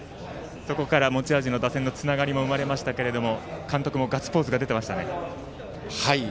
そこから持ち味の打線のつながりも生まれましたが監督もガッツポーズが出ていましたね。